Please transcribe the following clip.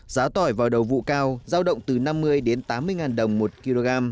giá tỏi vào đầu vụ cao giao động từ năm mươi đến tám mươi ngàn đồng một kg